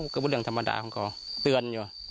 ก็เป็นเรื่องธรรมดาของเขาเตือนอยู่